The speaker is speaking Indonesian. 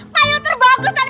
payung terbaik ustad